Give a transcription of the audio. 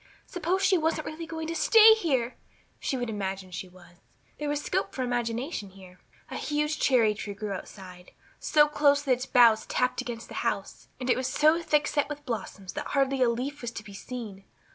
Suppose she wasn't really going to stay here! She would imagine she was. There was scope for imagination here. A huge cherry tree grew outside, so close that its boughs tapped against the house, and it was so thick set with blossoms that hardly a leaf was to be seen.